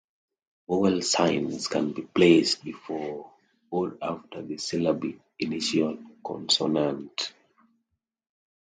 Vowels signs can be placed before or after the syllable initial consonant.